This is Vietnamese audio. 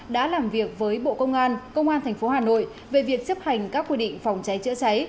đã làm việc với bộ công an công an tp hà nội về việc chấp hành các quy định phòng cháy chữa cháy